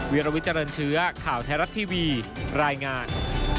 วิรวิจารณเชื้อข่าวแทรศทีวีรายงาน